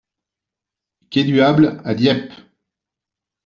Quai du Hâble à Dieppe